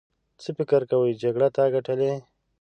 څه فکر کوې جګړه تا ګټلې.